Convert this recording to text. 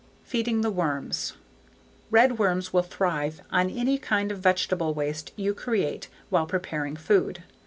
Feeding the Worms Redworms will thrive on any kind of vegetable waste you create while preparing food.